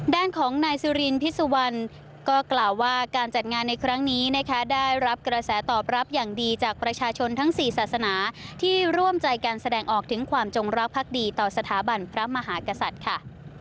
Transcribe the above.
ด้านของนายสุรินพิสุวรรณก็กล่าวว่าการจัดงานในครั้งนี้นะคะได้รับกระแสตอบรับอย่างดีจากประชาชนทั้ง๔ศาสนาที่ร่วมใจการแสดงออกถึงความจงรักภักดีต่อสถาบันพระมหากษัตริย์ค่ะ